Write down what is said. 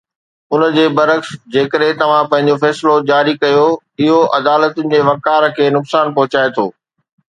ان جي برعڪس، جيڪڏهن توهان پنهنجو فيصلو جاري ڪيو، اهو عدالتن جي وقار کي نقصان پهچائي ٿو